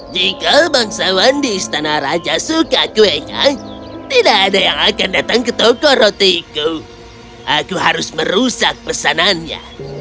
jika bangsawan di istana raja suka kuenya tidak ada yang akan datang ke toko rotiku aku harus merusak pesanannya